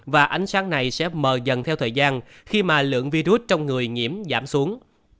và ánh sáng này sẽ mờ dần theo thời gian khi mà lượng virus trong người nhiễm giảm xuống